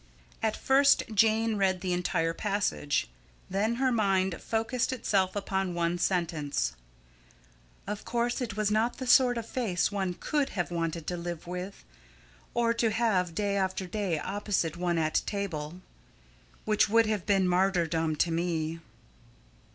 At first Jane read the entire passage. Then her mind focussed itself upon one sentence: "Of course it was not the sort of face one COULD have wanted to live with, or to have day after day opposite one at table, ... which would have been martyrdom to me."